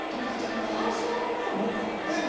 会場の皆さんも分かっているのかな？